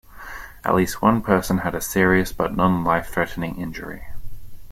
At least one person had a serious but non-life-threatening injury.